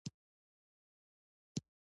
لاړو اډې ته چې یو ګاډیوان مو تر سترګو شو.